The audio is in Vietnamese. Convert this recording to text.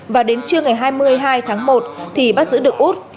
và đến trưa ngày hai mươi hai tháng một thì bắt giữ được út